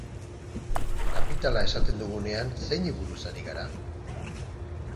Kapitala esaten dugunean zeini buruz ari gara?